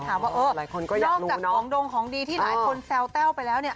นอกจากของดงของดีที่หลายคนแซวแต้วไปแล้วเนี่ย